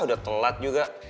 udah telat juga